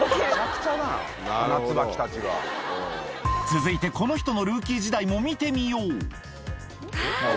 続いてこの人のルーキー時代も見てみようあぁ！